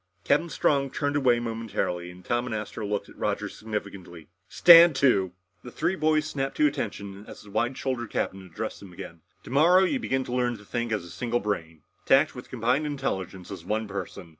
Captain Strong turned away momentarily and Tom and Astro looked at Roger significantly. "Stand to!" The three boys snapped to attention as the wide shouldered captain addressed them again. "Tomorrow you begin to learn how to think as a single brain. To act with combined intelligence as one person.